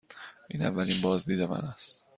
این اولین بازدید من است.